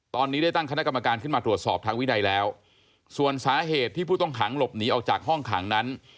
ตอนนี้ได้ตั้งคณะกรรมการขึ้นมาตรวจสอบทางวินัยแล้วส่วนสาเหตุที่ผู้ต้องขังหลบหนีออกจากห้องขังนั้น